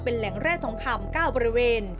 เป็นแหล่งแร่ทองคำ๙บริเวณ